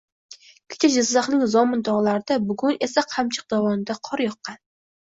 Kecha Jizzaxning Zomin togʻlarida, bugun esa Qamchiq dovonida qor yoqqan.